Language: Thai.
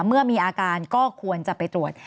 เมื่อมีอาการก็ควรจะไปตรวจ